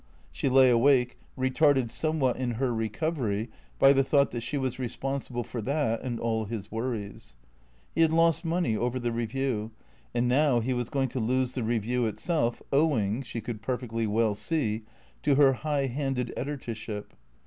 She lay awake, retarded some what in her recovery by the thought that she was responsible for that and all his worries. He had lost money over the Eeview and now he was going to lose the Eeview itself, owing, she could perfectly well see, to her high handed editorship.